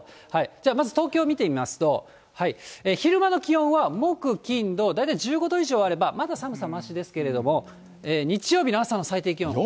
まず東京見てみますと、昼間の気温は木、金、土、大体１５度以上あれば、まだ寒さましですけれども、日曜日の朝の最低気温。